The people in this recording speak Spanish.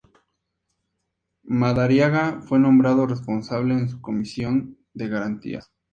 Madariaga fue nombrado responsable de su Comisión de Garantías.